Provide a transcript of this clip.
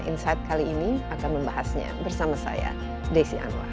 insight kali ini akan membahasnya bersama saya desi anwar